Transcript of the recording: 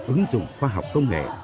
ứng dụng khoa học công nghệ